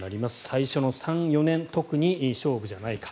最初の３４年特に勝負じゃないか。